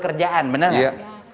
kerja yang berdua